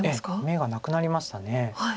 眼がなくなりました。